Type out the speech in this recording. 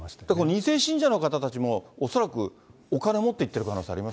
２世信者の方たちも恐らくお金持っていってる可能性あります